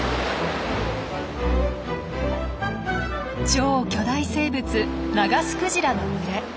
超巨大生物ナガスクジラの群れ。